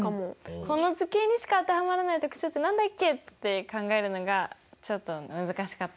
この図形にしか当てはまらない特徴って何だっけって考えるのがちょっと難しかったかな。